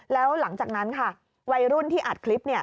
แล้วหลังจากนั้นค่ะวัยรุ่นที่อัดคลิป